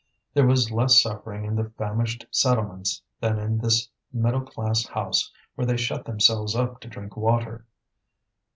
There was less suffering in the famished settlements than in this middle class house where they shut themselves up to drink water.